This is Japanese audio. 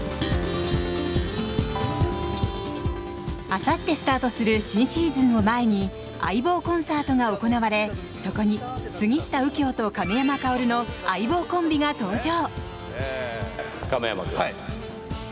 あさってスタートする新シーズンを前に「相棒コンサート」が行われそこに、杉下右京と亀山薫の「相棒」コンビが登場。